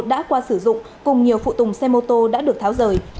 đã qua sử dụng cùng nhiều phụ tùng xe mô tô đã được tháo rời